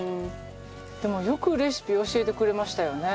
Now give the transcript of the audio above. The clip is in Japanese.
でもよくレシピ教えてくれましたよね。